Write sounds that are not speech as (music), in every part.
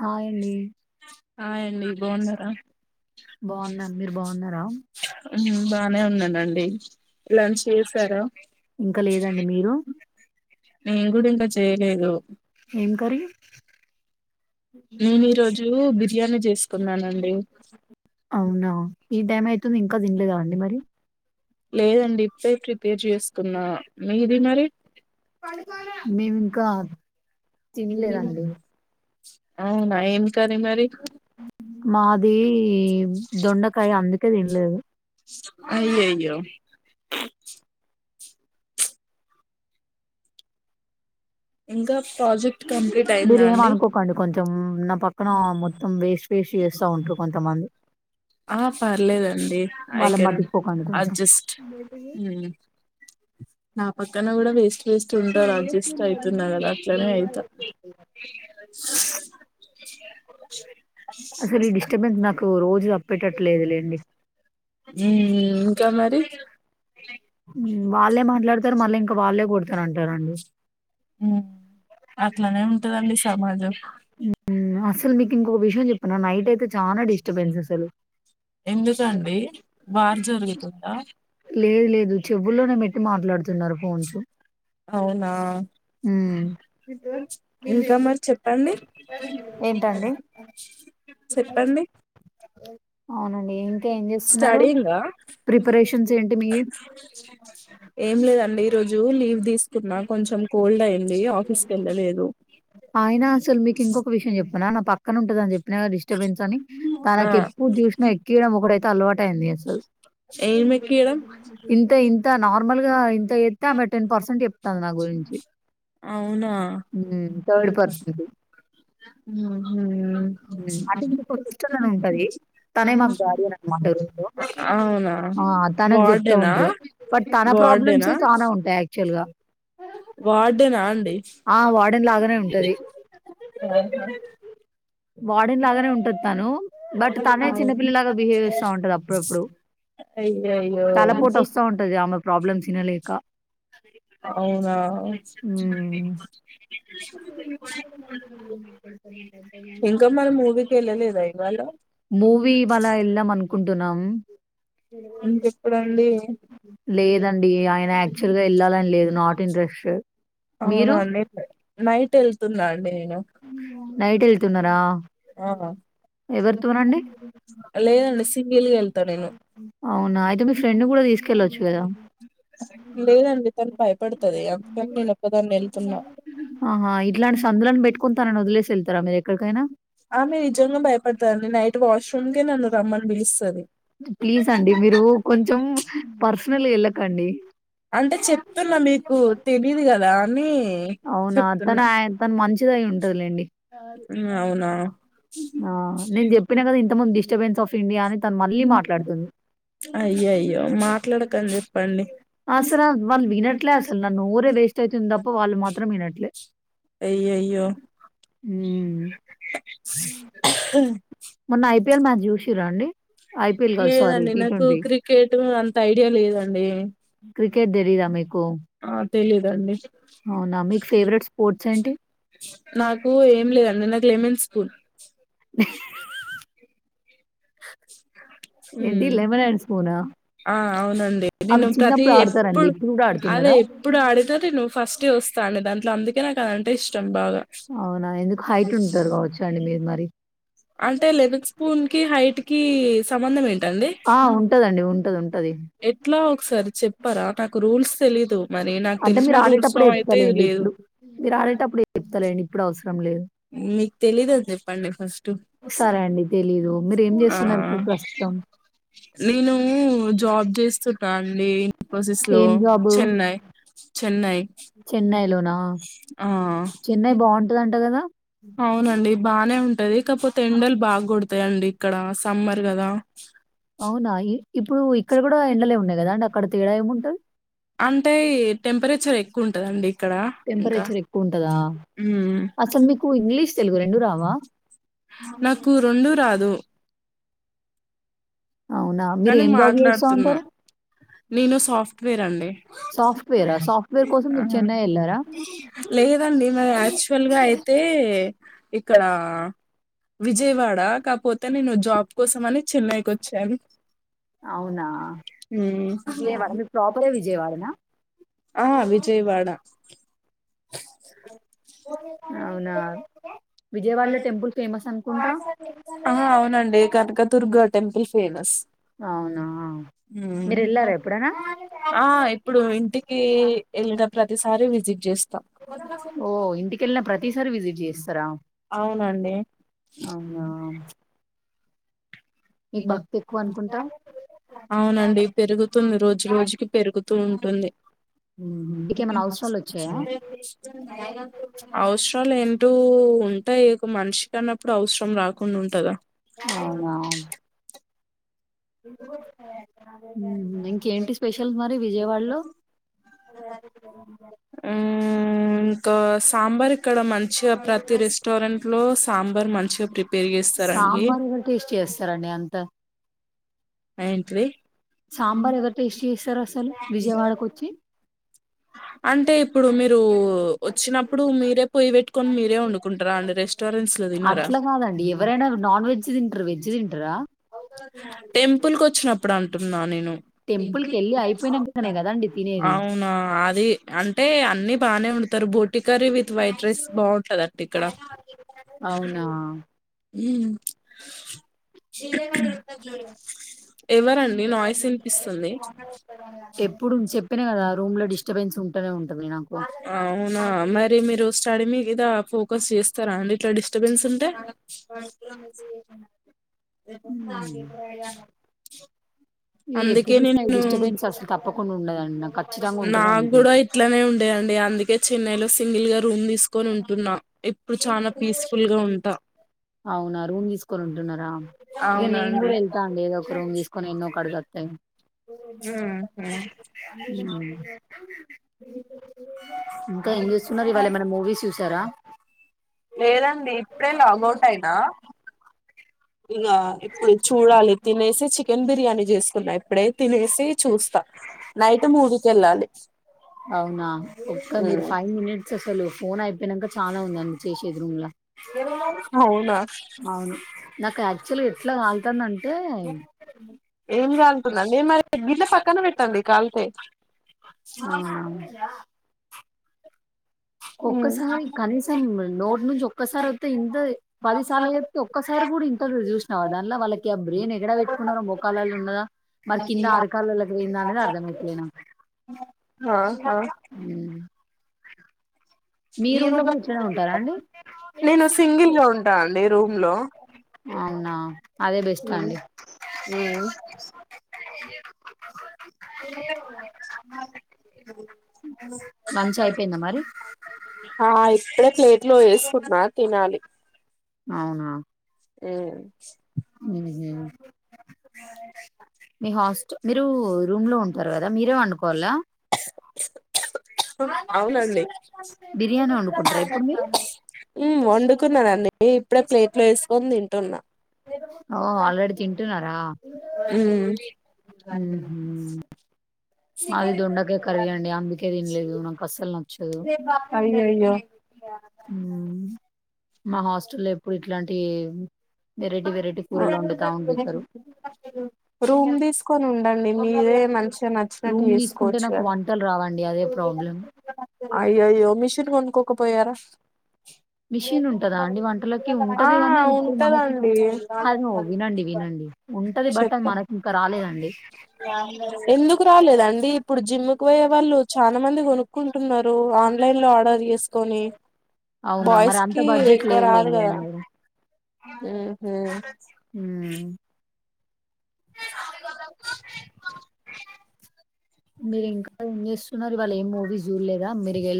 Hi అండి hi అండి బాగున్నారా బాగున్నాను మీరు బాగున్నారా ఉండే లంచ్ చేసారా ఇంకా లేదండి మీరు నిను కూడా ఇంకా చేయలేదు ఏం కర్రీ నేను ఈరోజు బిర్యానీ చేసుకున్నానండి అవునా ఈ టైం అయితుంది ఇంకా తినలేదా అండి మరి లేదండి ఇప్పుడే ప్రిపేర్ చేసుకున్నా మీది మరి మేమింకా అవున తినలేదండి అవునా ఏం కర్రీ మరి మాది దొండకాయ అందుకే తినలేదు అయ్యయ్యో ఇంకా ప్రాజెక్ట్ కంప్లీట్ మీరు అయిందా ఏం అండి అనుకోకండి కొంచెం నా పక్కన మొత్తం వేస్ట్ వేస్ట్ చేస్తా ఉంటారు కొంతమంది ఆ పర్లేదండి ఐ వాళ్ళని కెన్ పట్టించుకోకండి కొంచెం అడ్జస్ట్ నా పక్కన కూడా వేస్ట్ వేస్ట్ ఉంటారు అడ్జస్ట్ అవుతున్న కదా అట్లనే అవుతా అసలు ఈ డిస్టర్బెన్స్ నాకు రోజు తప్పేటట్లేదు లేండి ఇంకా మరి వాళ్ళే మాట్లాడతారు మళ్ళీ ఇంకా వాళ్ళే కొడతన అంటారండి హ్మ్ అట్లనే ఉంటదండి సమాజం అసలు మీకింగ్కు విషయం చెప్ప మ నైట్ అయితే చనా డిస్టర్బెన్స్ అసలు ఎందుకండి వార్ జరుగుతుందా లేదు లేదు చెవిల్లోనే పెట్టి మాట్లాడుతున్నారు ఫోన్స్ అవునా హ్మ్ ఇంకా మరి చెప్పండి చెప్పండి అ స్టడిన్ గా ప్రిపరేషన్స్ ఏంటి మీయి? ఏం లేదండి ఈరోజు లీవ్ తీసుకున్నా కొంచెం కోల్డ్ అయింది లే ఆఫీస్ క వెళ్ళ లేదు ఆయన అసలు మీకు ఇంకొక విషయం చెప్పనా నా పక్కన ఉంటద అని చెప్ప నా డిస్టర్బెన్స్ అని ఆ తనఎప్పుడు చూసినా ఎక్క్కయడం ఒకటైతే అలవాటు అయంది అసలు ఏం ఎక్కియడం ఇంత ఇంత నార్మల్గా ఇంత ఎత్తే ఆమె టెన్ పర్సెంట్ చెప్తాంది నా గురించి అవునా థర్డ్ పర్సజ్ ఇది (unintelligible) హ అటునిచ్చి ఇక ఒక సిస్టర్ అని ఉంటది తనే మాకు గగాడియ అనమాట అవునా ఆ తనకు చెప్తా వార్డెనా ఉంటారు బట్ తన ప్రాబ్లమ్స్ వార్డెనా చాల ఉంటాయి యాక్చువల్గా వార్డెనా అండి ఆ వాడన్ లాగానే ఉంటది వార్డిన్ లాగానే ఉంటది తను బట్ తనే చిన్నపిల్లలాగా బిహేవ్ చేస్తా ఉంటది అప్పుడప్పుడు అయ్యయ్యో తలపోట వస్తా ఉంటది ఆమె ప్రాబ్లమ్స్ తిన లేేఖ అవునా మ్మ్. (inaudible) ఇంకా మరి మూవీకి వెళ్ళలేదా ఇవాళ మూవీ ఇవ్వాళ వెళదాం అనుకుంటున్నాం ఇంకెప్పుడండి లేదండి ఆయన యాక్చువల్ గా వెళ్ళాలని లేదు నాట్ ఇంట్రెస్ట్ మీరు అవునాంది (unintelligible) నైట్ వెళ్తున్నా అండి నేను నైట్ వెళ్తున్నారా ఆ ఎవరితోనండి లేదండి సింగిల్ గా వెళ్తా నేను అవునా అయితే మీ ఫ్రెండ్ ని కూడా తీసుకెళ్ళచ్చు లేదండి తను భయపడుతది అందుకని నేను ఒక్కదాన్ని వెళ్తున్నా ఆహా ఇట్లాంటి సందులను తనని వదిలేసి వెళ్తారా మీరు ఎక్కడికైనా ఆమె నిజంగా భయపడతదండి నైట్ వాష్రూంకె నను రమని పిలుస్తాది ప్లీజ్ అండి మీరు కొంచెం పర్సనల్ వెళ్ళకండి అంటే మీ అవునా తను ఆయ తను మంచి ది అయి వుంటదిలెండి అవునా ఆ నేను చేపిన కద ఇంతకు ముందు డిస్టర్బ్స్ (unintelligible) అయ్యో అయ్యో మాట్లాడక క (unintelligible) అసలు వాళ్ళు వినట్లే అసలు నా నోరే వేస్ట్ అవుతుంది తప్ప వాళ్ళు మాత్రం వినట్లే అయ్యో హ్మ్. మొన్న ఐపీఎల్ మ్యాచ్ జూషిర్రా అండి? అయ్యో ఐపీఎల్ గాదు సారీ లేదండి నాకు క్రికెట్ అంత ఐడియా లేదండి క్రికెట్ తెలీదా మీకు ఆ తెలీదండి అవునా మీకు ఫేవరెట్ స్పోర్ట్స్ ఏంటి? నాకు ఏం లేదండి నా స్కూల్ ఏంటి లెమన్ అండ్ స్పూనా? ఆ అవునండి అవి నిను ప్రతి చిన్నప్పుడు ఆడతారండి. ఎప్పుడు ఇప్పుడు గూడా అదే ఆడుతున్నారా? ఎప్పుడు ఆడితే నేను ఫస్ట్ వస్తాడి దాంట్లో అందుకు నాకు అదంటే ఇష్టం బాగా అవునా ఎందుకు హైట్ ఉంటురు కావచ్చు అండి మీరు మరి అంటే లెమన్ స్పూన్ కి హైట్ కి సంబంధం ఏంటండి ఆ! ఉంటదండి. ఉంటది. ఉంటది. ఎట్లా ఒకసారి చెప్ పరా నాకు రూల్స్ తెలీదు మరి నాకు అంటే మీరు తెలిసిన రూల్స్ ఆడేటప్పుడు లో అయితే ఇది చెప్తలేండి లేదు ఇప్పుడు మీరు ఆడేటప్పుడు చెప్తాండి ఇప్పుడు అవసరం లేదు. మీకు తెలీదని చెప్పండి ఫస్ట్ సరే అండి తెలీదు మీరేం చేస్తున్నారు ఇప్పుడు ప్రస్తుతం? నేను జాబ్ చేసి చుట అండీ ప్రాసెస్లో ఏం జాబు? చెన్నై చెన్నై చెన్నైలోనా? ఆ చెన్నై బావుంటదంట గదా! అవునండి బా నే ఉంటది కాకపోతే ఎండలు బాగా కొడతాయిండి ఇక్కడ సమ్మర్ కదా అవునా ఇ ఇప్ప ఏముంటది? అంటే టెంపరేచర్ ఎక్కువ ఉంటదండి ఇక్కడ ఇంకా టెంపరేచర్ ఎక్కువుంటదా? హ్మ్ అసలు మీకు ఇంగ్లీష్, తెలుగు రెండు రావా? నాకు రెండు రాదు అవునా? కానీ మీరేం జాబ్ చేస్తా మాట్లాడుతున్నా ఉంటారు? నేను సాఫ్ట్వేర్ అండి సాఫ్ట్‌వేరా? సాఫ్ట్‌వేర్ కోసం మీరు చెన్నై ఎళ్లారా? లేదండి మరి యాక్చువల్ గా అయితే ఇక్కడ విజయవాడ కాపోతే నేను జాబ్ కోసం అని చెన్నైకి ఓచ్ చాను అవునా విజయవాడ మీకు ప్రాపరే విజయవాడనా ఆ విజయవాడ అవునా విజయవాడలో టెంపుల్ ఫేమస్ అను ఆహ అవునండి కనకదుర్గ దర్గా టెంపల్ ఫేమస్ అవునా? ఉమ్ మీరెళ్లారా ఎప్పుడైనా? ఆ ఇప్పుడు ఇంటికి వెళ్ళిన ప్రతిసారి విజిట్ చేస్తా ఓ ఇంటికెళ్ళిన ప్రతిసారి విజిట్ చేస్తారా అవునండి అవునా మీకు భక్తి ఎక్కువ అనుకుంటా అవునండి పెరుగుతుంది రోజు రోజుకి పెరుగుతూ ఉంటుంది మ్మ్. మీకేమైనా అవసరాలు వచ్చాయా అవసరాలు ఏం అడు ఉంటాయి ఒక మనిషికి అన్నప్పుడు అవసరం రాకుండా ఉంటందా అవునా ఇంకేంటి స్పెషల్స్ మరి విజయవాడలో ఖా సాంబార్ ఇక్కడ మంచిగా ప్రతి రెస్టారెంట్ లో సాంబార్ మంచిగా ప్రిప్ సాంబార్ద టేస్ట్ చేస్తారండి అంతా ఏంటీది సాంబార్ ఎవరు టేస్ట్ చేస్తారు అసలు విజయవాడకు వచ్చి అంటే ఇప్పుడు మీరు వచ్చినప్పుడు మీరే పొయ్య పెట్టుకొని మీరే వండుకుంటారా అండి రెస్టారెంట్స్లో తన్నారా అట్లా కాదండి ఎవరైనా నాన్ వెజ్ తింటారు వెజ్ తింటారా టెంపుల్కి వచ్చినప్పుడు అంటున్నా నేను టెంపుల్ కి వెళ్ళి అయిపోయినాకనే కదండి తినేది అవునా అది అంటే అన్ని బానే అండుతారు బోటి కర్రీ విత్ వైట్ రైస్ బాగుంటంది అండి ఇక్కడ అవునా ఉమ్ శ్రీ లేఖ కు నువ్వు గుర్తొచ్చినవని ఎవరండి నాయిస్ వినిపిస్తుంది ఎప్పుడు చెప్పిన కదా రూమ్ లో డిస్టర్బెన్స్ ఉంటూనే ఉంటది నాకు అవునా మరి మీరు స్టడీ మీ ఏదా ఫోకస్ చేస్తారా అండి ఇట్లా డిస్ట్ టబెన్స్ ఉంటే (unintelligible) ఎప్పుడు అందుకే నేను చూసినా ఈ డిస్టర్బెన్స్ అసలు తప్పకుండా ఉండదండి నాకు ఖచ్చితంగా ఉంటూనే నాకు ఉంటది కూడా ఇట్లనే ఉండేయండి అందుకే చెన్నయ్ లో సింగిల్ గా రూమ్ తీసుకొని ఉంటున్నా ఇప్పుడు చానా పీస్ఫుల్ గా ఉంటా అవునా రూమ్ తీసుకొని ఉంటున్నారా ఇగ నేను అవునండి కూడా వెళ్తా అండి లేదో ఒక రూమ్ తీసుకొని ఇంగ కడు జాత్తయి ఉహు గీకుడు జు ఇంకా ఏం చేస్తున్నారు ఇవాళ ఏమైనా మూవీస్ చూసారా లేేదండి ఇప్పుడే లాగౌట్ అయి ఆ ఇగా ఇప్పుడు చూడాలి తినేసి చికెన్ బిర్యానీ జేసుకున్నా ఇప్పుడే తినేసి చూస్తా నైట్ మూవీకి వెళ్ళాలి అవునా ఒక్క మీరు ఉమ్, ఫైవ్ మినిట్స్ అసలు ఫోన్ అయిపోయినంక త్ చాలా ఉందండి చేసేది రూమ్లా అవునా అవును నాకు యాక్చువల్ గా ఎట్లా కాల్తుందంటే ఏం కాలుతుందండి మరి గిట్ల సక్కన పెట్టండి కాలితే ఆ ఉమ్, ఒక్కసారి కనీసం నోటి నుంచి ఒక్కసారి వత్తే ఇంతే పదిసార్లు చెప్పుతే ఒక్కసారి కూడా ఇంటి అల్లుడు చూసినవా దాన్ల వాళ్ళకి ఆ బ్రెయిన్ ఎగడా పెట్టుకున్నారో మోకాళ్ళ ఉన్నదా మరి కింద ఆరకాలాలకు పోయిందా అనేది అర్థమయట్లే నాకు ఆహా ఉ ఉంటారా అండి నేను సింగిల్గా ఉంటా అండి రూమ్ లో అవునా అదే బెస్ట్ అండి ఊ (unintelligible) మంచు అయిపోయిందా మరి ఆ ఇప్పుడే ప్లేట్ లో వేసుకున్న తినాలి అవునా ఉ ఉహు మీ హాస్టల్ మీరు రూమ్ లో ఉంటారు కదా మీరే వండుకోవాలా అవునండి బిర్యానీ వండుకుంటారా ఇప్పుడు మీరు ఉ వండుకున్న నేను ఇప్పుడే ప్లేట్ లో వేసుకొని తింటున్నా ఓ ఆల్రెడీ తింటున్నారా ఊ మ్మ్. మాది దొండకాయ కర్రీ అండి అందుకే తినలేదు నాకు అస్సలు న అయ్యయ్యో ఉ మా హాస్టల్ లో ఎప్ ప్పుడు ఇట్లాంటివి ఉండేవారు రూమ్ తీసుకొని ఉండండి మీరే మంచిగా నచ్చినట్టు రూమ్ తీసుకుంటే చేసుకోవచ్చు నాకు కదా వంటలు రావండి అదే ప్రాబ్లం అయ్యో అయ్యో మిషన్ కొనుక్కోకపోయారా మిషిన్ ఉంటదా అండి వంటలకి ఆ ఉంటది గాని అది మనకి ఉంటదండి అను వినండి వినండి ఉంటది బట్ అది మనకి ఇంకా రాలేదండి ఎందుకు రాలేదండి ఇప్పుడు జిమ్ముకు పోయే వాళ్ళు చాలామంది ఉ కొనుక్కుంటున్నారు ఆన్లైన్ లో ఆర్డర్ చేసుకొని అవునా మరి బాయ్స్ అంత కి బడ్జెట్ ఎక్కువ రాదు లేదులేండి కదా అయినా కూడా మ్మ్ ఉహు మీరు ఇంకా ఏం చేస్తున్నారు ఇవాళ ఏ మూవీ చూడలేదా మీరు ఇగా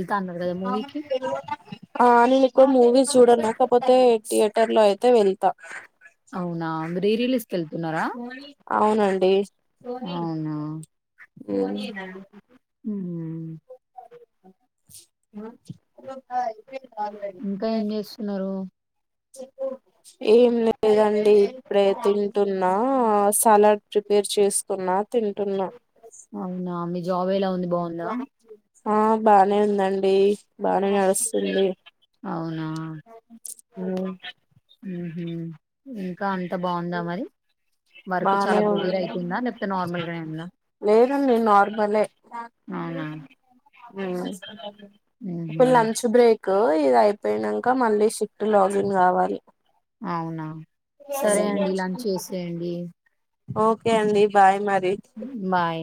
ఆ నేను ఎక్కువ మూవీస్ చూడాను లేకపోతే థియర్ యెటర్ లో అయితే వెళ్తా అవునా రీ రిలీజ్ వెళ్తున్నారా అవునండి అవునా ఉహు ఇంకా ఏం చేస్తున్నారు (inaudible) ఏం లేదండి ఇప్పుడే తింటున్నా సలాడ్ ప్రిపేర్ చేసుకున్నా తింటున్నా అవునా మీ జాబ్ ఎలా ఉంది బాగుందా ఆ బానే ఉందండి. బానే నడుస్తుంది. అవునా హ్ మ్ ఇంకా అంత బాగుందా మరి వర్క్ బానే చాలా ఉం ప్రెజర్ అయితుందా లేకపోతే నార్మల్ గానే ఉందా లేదండి నార్మలే అవునా ఉహు ఇప్పుడు లంచ్ బ్రేక్ ఇది అయిపోయినంక మళ్ళీ షిఫ్ట్ లాగిన్ కావాలి. అవునా సరే అండి లంచ్ ఏసేయండి. ఓకే అండి బాయ్ మర్ బాయ్